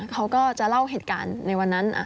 เขาก็จะเล่าเหตุการณ์ในวันนั้น